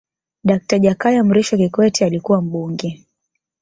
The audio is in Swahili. dakta jakaya mrisho kikwete alikuwa mbunge